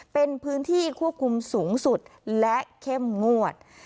เป็นพื้นที่ควบคุมสูงสุดและเข้มงวด